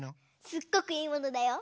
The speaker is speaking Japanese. すっごくいいものだよ。